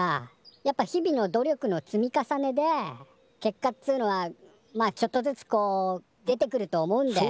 やっぱ日々の努力の積み重ねで結果っつうのはまあちょっとずつこう出てくると思うんだよね。